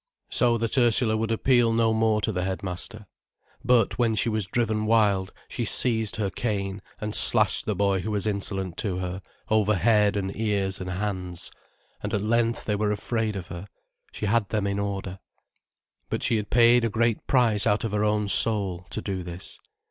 So that Ursula would appeal no more to the headmaster, but, when she was driven wild, she seized her cane, and slashed the boy who was insolent to her, over head and ears and hands. And at length they were afraid of her, she had them in order. But she had paid a great price out of her own soul, to do this.